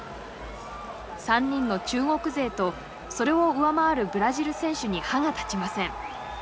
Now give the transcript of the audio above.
３人の中国勢とそれを上回るブラジル選手に歯が立ちません。